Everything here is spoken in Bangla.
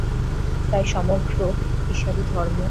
প্রায় সমগ্র ঈশাহি-ধর্মই আর্যধর্ম বলিয়া আমার বিশ্বাস।